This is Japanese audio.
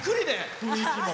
雰囲気も。